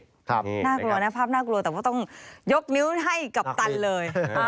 น่ากลัวนะภาพน่ากลัวแต่ว่าต้องยกนิ้วให้กัปตันเลย